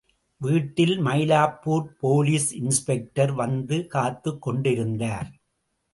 வீட்டில் Mylapore police inspector வந்து காத்துக் கொண்டிருந்தார்.